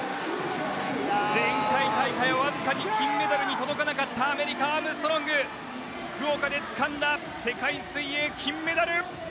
前回大会わずかに金メダルに届かなかったアメリカのアームストロング福岡でつかんだ世界水泳金メダル。